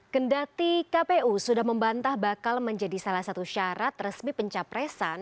kendati kpu sudah membantah bakal menjadi salah satu syarat resmi pencapresan